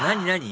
何？